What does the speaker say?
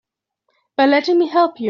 By letting me help you.